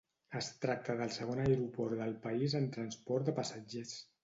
Es tracta del segon aeroport del país en transport de passatgers.